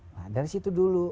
nah dari situ dulu